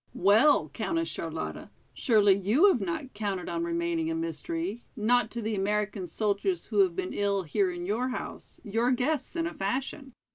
"Well, Countess Charlotta, surely you have not counted on remaining a mystery—not to the American soldiers who have been ill here in your house, your guests in a fashion.